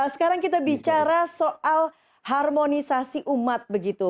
sekarang kita bicara soal harmonisasi umat begitu